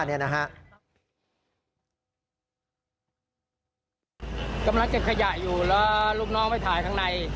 กำลังเก็บขยะอยู่แล้วลูกน้องไปถ่ายข้างใน